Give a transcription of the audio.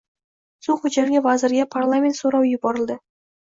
Suv xo‘jaligi vaziriga parlament so‘rovi yuborilding